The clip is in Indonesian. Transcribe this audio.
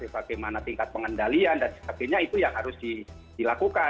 bagaimana tingkat pengendalian dan sebagainya itu yang harus dilakukan